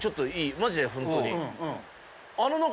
マジでホントに。